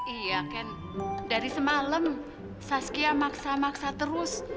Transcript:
iya ken dari semalam saskia maksa maksa terus